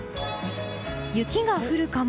雪が降るかも。